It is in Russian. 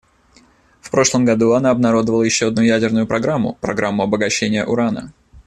В прошлом году она обнародовала еще одну ядерную программу — программу обогащения урана.